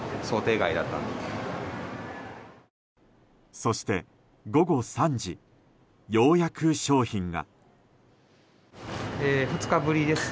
そして、午後３時ようやく商品が。